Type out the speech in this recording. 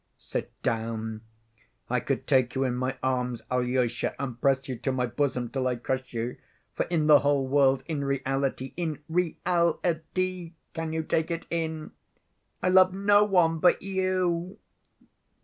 Sit down. I could take you in my arms, Alyosha, and press you to my bosom till I crush you, for in the whole world—in reality—in re‐al‐ i‐ty—(can you take it in?) I love no one but you!"